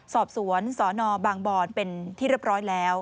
สอบสวนสนบางบอนเป็นที่เรียบร้อยแล้ว